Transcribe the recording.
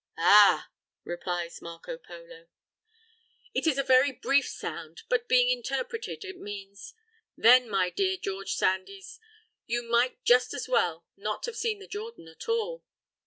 "Ah!" replies Marco Polo. It is a very brief sound, but being interpreted it means, "Then, my dear George Sandys, you might just as well not have seen the Jordan at all."